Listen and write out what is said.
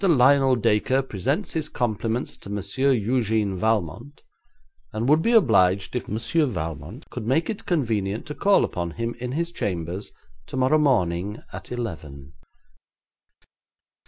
Lionel Dacre presents his compliments to Monsieur Eugène Valmont, and would be obliged if Monsieur Valmont could make it convenient to call upon him in his chambers tomorrow morning at eleven.'